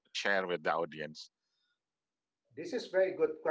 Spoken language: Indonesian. ini adalah pertanyaan yang sangat baik